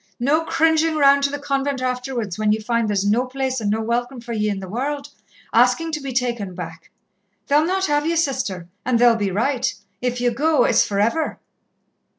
No cringing round to the convent afterwards, when ye find there's no place and no welcome for ye in the world, asking to be taken back. They'll not have ye, Sister, and they'll be right. If ye go, it's for ever."